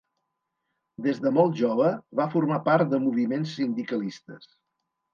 Des de molt jove va formar part de moviments sindicalistes.